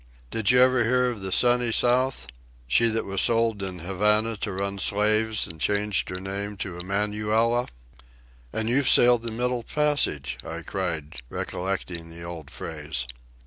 Did you ever hear of the Sunny South?—she that was sold in Havana to run slaves an' changed her name to Emanuela?" "And you've sailed the Middle Passage!" I cried, recollecting the old phrase.